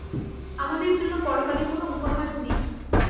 আমাদের জন্য পরকালে কোনো উপহার নেই।